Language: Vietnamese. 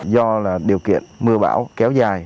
do điều kiện mưa bão kéo dài